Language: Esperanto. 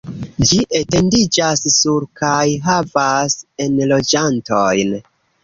Ĝi etendiĝas sur kaj havas enloĝantojn.